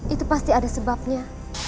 itu pasti ada sebabnya